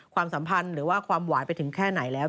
ความสัมพันธ์หรือว่าความหวานไปถึงแค่ไหนแล้ว